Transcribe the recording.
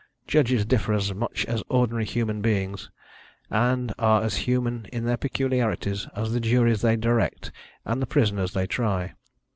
Judges differ as much as ordinary human beings, and are as human in their peculiarities as the juries they direct and the prisoners they try.